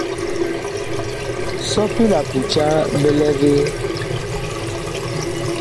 Sɔpi la kuca bi lɛ vee ?